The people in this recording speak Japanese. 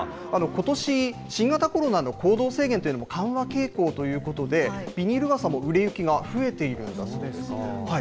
ことし、新型コロナの行動制限っていうのも緩和傾向ということで、ビニール傘も売れ行きが増えているんだそうです。